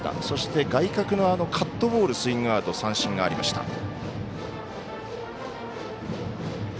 そして、外角のカットボールスイングアウト三振がありました。